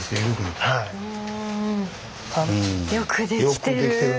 よくできてる。